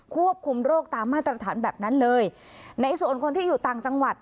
ควบคุมโรคตามมาตรฐานแบบนั้นเลยในส่วนคนที่อยู่ต่างจังหวัด